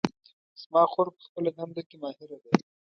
زما خور په خپله دنده کې ماهره ده